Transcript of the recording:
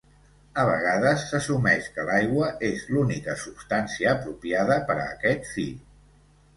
A vegades s'assumeix que l'aigua és l'única substància apropiada per aquest fi.